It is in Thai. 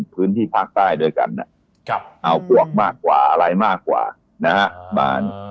พื้นที่ภาคใต้ด้วยกันเอาพวกมากกว่าอะไรมากกว่านะฮะ